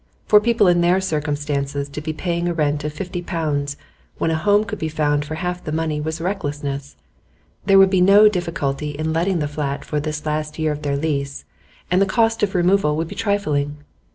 For people in their circumstances to be paying a rent of fifty pounds when a home could be found for half the money was recklessness; there would be no difficulty in letting the flat for this last year of their lease, and the cost of removal would be trifling.